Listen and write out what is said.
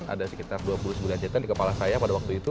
ada sekitar dua puluh tiga puluh juta di kepala saya pada waktu itu